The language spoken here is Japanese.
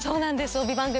帯番組